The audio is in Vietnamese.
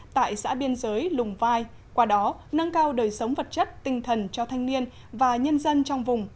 tại xã biên giới lùng vai qua đó nâng cao đời sống vật chất tinh thần cho thanh niên và nhân dân trong vùng